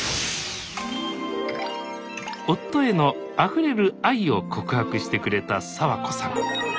夫へのあふれる愛を告白してくれた早和子さん。